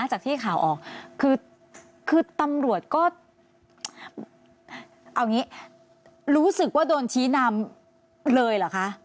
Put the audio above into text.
จากที่ข่าวออกคือตำรวจก็เอาอย่างนี้รู้สึกว่าโดนชี้นำเลยเหรอคะ